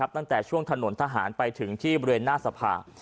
ตั้งแต่ช่วงถนนทหารไปถึงที่บริเวณหน้าสภา